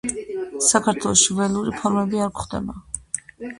საქართველოში ველური ფორმები არ გვხვდება.